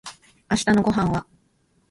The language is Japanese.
明日のご飯は